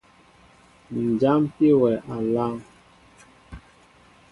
Njapin wɛ aláaŋ.